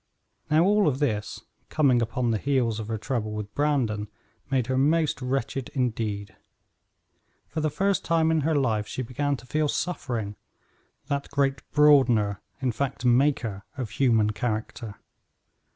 Now, all of this, coming upon the heels of her trouble with Brandon, made her most wretched indeed. For the first time in her life she began to feel suffering; that great broadener, in fact, maker, of human character.